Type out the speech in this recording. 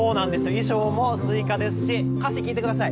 衣装もスイカですし、歌詞、聞いてください。